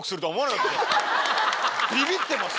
ビビってます。